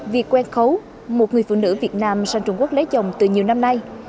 vì quen khấu một người phụ nữ việt nam sang trung quốc lấy chồng từ nhiều năm nay